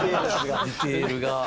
ディテールが。